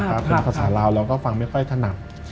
เป็นภาษาลาวเราก็ฟังไม่ค่อยถนัด